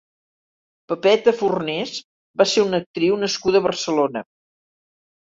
Pepeta Fornés va ser una actriu nascuda a Barcelona.